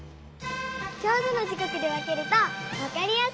ちょうどの時こくで分けるとわかりやすい！